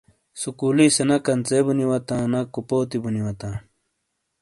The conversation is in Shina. سُکُولی سے نہ کنژے بونی واتاں ، نہ کوپوتی بونی واتاں۔